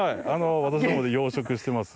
私どもで養殖してます。